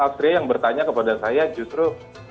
austria yang bertanya kepada saya justru